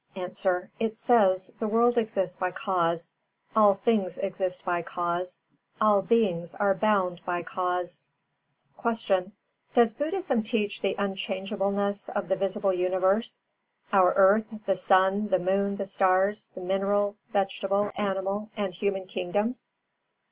_ A. It says: "The world exists by cause; all things exist by cause, all beings are bound by cause." 363. Q. _Does Buddhism teach the unchangeableness of the visible universe; our earth, the sun, the moon, the stars, the mineral, vegetable, animal and human kingdoms?